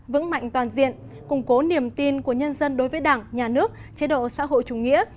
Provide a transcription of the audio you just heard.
vững mạnh toàn diện củng cố niềm tin của nhân dân đối với đảng nhà nước chế độ xã hội chủ nghĩa